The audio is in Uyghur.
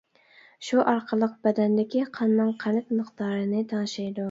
شۇ ئارقىلىق بەدەندىكى قاننىڭ قەنت مىقدارىنى تەڭشەيدۇ.